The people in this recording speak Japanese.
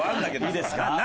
いいですか？